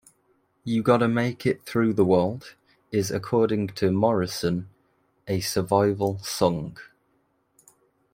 "You Gotta Make It Through the World" is according to Morrison, "a survival song".